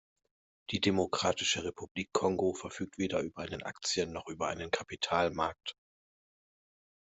Die Demokratische Republik Kongo verfügt weder über einen Aktien- noch über einen Kapitalmarkt.